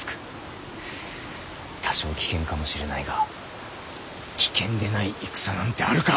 多少危険かもしれないが危険でない戦なんてあるか。